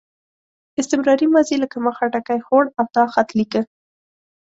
استمراري ماضي لکه ما خټکی خوړ او تا خط لیکه.